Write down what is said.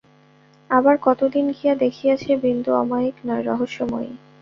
আবার কতদিন গিয়া দেখিয়াছে বিন্দু অমায়িক নয়, রহস্যময়ী।